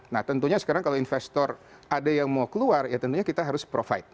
nah tentunya sekarang kalau investor ada yang mau keluar ya tentunya kita harus provide